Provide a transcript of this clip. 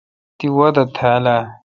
تی وادہ تھا اؘ ۔